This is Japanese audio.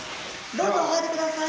どうぞお入り下さい。